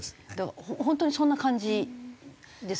本当にそんな感じですか？